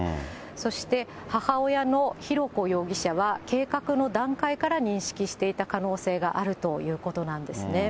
そして母親の浩子容疑者は、計画の段階から認識していた可能性があるということなんですね。